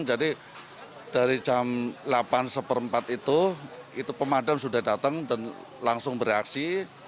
jadi dari jam delapan seperempat itu itu pemadam sudah datang dan langsung bereaksi